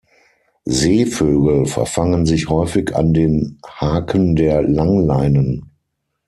Seevögel verfangen sich häufig an den Haken der Langleinen.